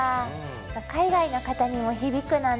海外の方にも響くのね。